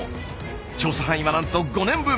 調査範囲はなんと５年分！